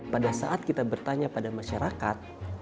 pada saat kita bertanya pada masyarakat